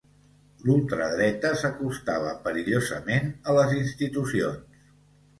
L'ultra dreta s'acostava perillosament a les institucions